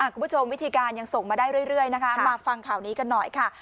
คุณผู้ชมวิธีการยังส่งมาได้เรื่อยนะคะมาฟังข่าวนี้กันหน่อยค่ะ